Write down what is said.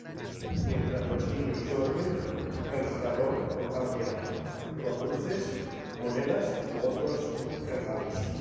Mientras los niños duermen, el ratón lo cambia por dulces, monedas u otros regalos.